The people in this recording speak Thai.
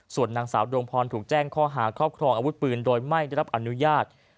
ส่วนนางสาวดวงพรถูกแจ้งข้อหาครอบครองอาวุธปืนโดยไม่ได้รับอนุญาต